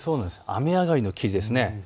雨上がりの霧です。